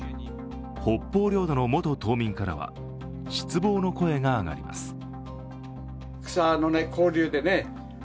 北方領土の元島民からは失望の声が上がります。